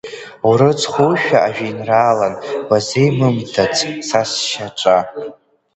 Урыцхушәа ажәеинраалан Уазеимымдац са сшьаҿа.